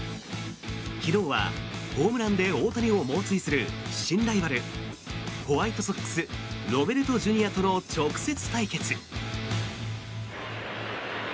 昨日はホームランで大谷を猛追する新ライバル、ホワイトソックスロベルトＪｒ．との直接対決。